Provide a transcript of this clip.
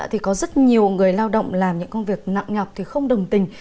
thì có rất nhiều người lao động làm những công việc nặng nhọc thì không đồng tình